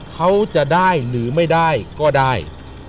เขาจะได้หรือไม่ได้ก็ได้